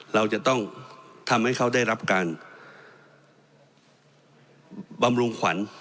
เราจะต้องทำให้เขาได้รับการบำรุงขวัญ